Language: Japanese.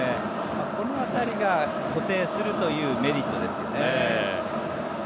この辺りが、固定するというメリットですよね。